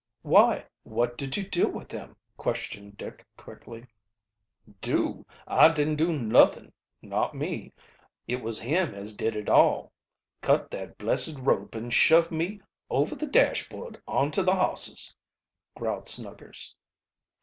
"Why, what did you do with him?" questioned Dick quickly. "Do? I didn't do nuthin not me. It was him as did it all cut that blessed rope and shoved me over the dashboard on to the hosses!" growled Snuggers.